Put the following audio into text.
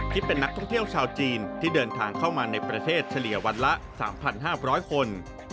เป็นนักท่องเที่ยวชาวจีนที่เดินทางเข้ามาในประเทศเฉลี่ยวันละ๓๕๐๐คน